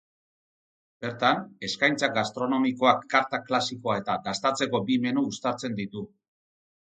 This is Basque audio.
Bertan, eskaintza gastronomikoak karta klasikoa eta dastatzeko bi menu uztartzen ditu.